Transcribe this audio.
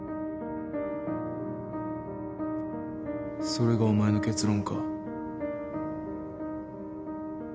それがお前の結論か？